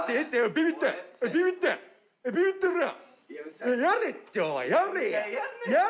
ビビってるやん。